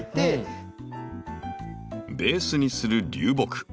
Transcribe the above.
ベースにする流木。